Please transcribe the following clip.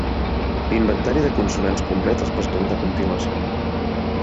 L'inventari de consonants complet es presenta a continuació.